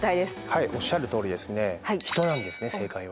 はいおっしゃるとおりですね人なんですね正解は。